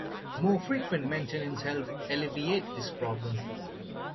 More frequent maintenance helped alleviate this problem.